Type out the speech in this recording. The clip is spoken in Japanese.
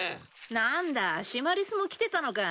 何だシマリスも来てたのか。